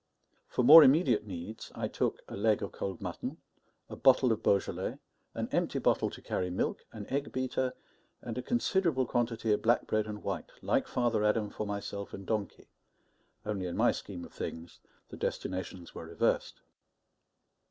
For more immediate needs I took a leg of cold mutton, a bottle of Beaujolais, an empty bottle to carry milk, an egg beater, and a considerable quantity of black bread and white, like Father Adam, for myself and donkey, only in my scheme of things the destinations were reversed.